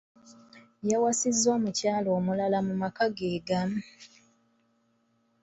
Yawasizza omukyala omulala mu maka ge gamu.